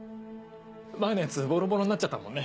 前のやつボロボロになっちゃったもんね。